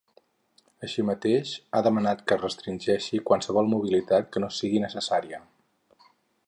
Així mateix, ha demanat que es restringeixi qualsevol mobilitat que no sigui necessària.